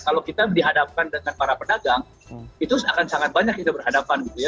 kalau kita dihadapkan dengan para pedagang itu akan sangat banyak kita berhadapan gitu ya